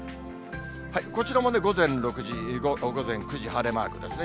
こちらも午前６時、午前９時、晴れマークですね。